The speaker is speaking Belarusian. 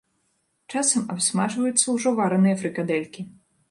Часам абсмажваюцца ўжо вараныя фрыкадэлькі.